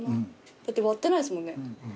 割ってないですもんね。